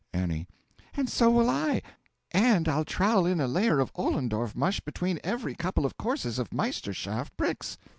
A. And so will I; and I'll trowel in a layer of Ollendorff mush between every couple of courses of Meisterschaft bricks.